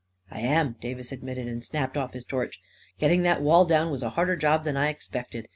" I am," Davis admitted, and snapped off his torch. u Getting that wall down was a harder joB than I expected.